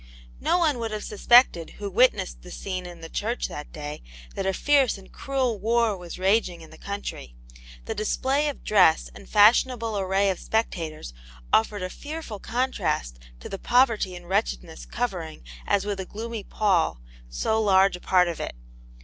No one would have suspected who witnessed the scene in the church that day that a fierce and cruel war was raging in the country ; the display of dress and fashionable array of spectators offered a fearful contrast to the poverty and wretchedness covering, as with a gloomy pall, so large a part of it.